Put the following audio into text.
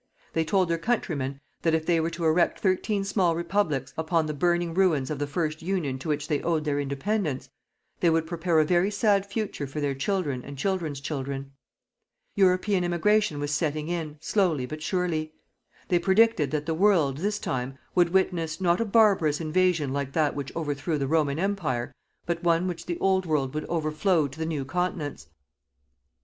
They told their countrymen that if they were to erect thirteen small Republics upon the burning ruins of the first Union to which they owed their Independence, they would prepare a very sad future for their children and children's children. European immigration was setting in, slowly but surely. They predicted that the World, this time, would witness, not a barbarous invasion like that which overthrew the Roman Empire, but one which the Old World would overflow to the New Continents.